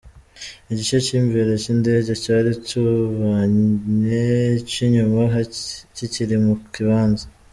Igice c'imbere c'indege cari cubamye, ic'inyuma kikiri mu kibanza.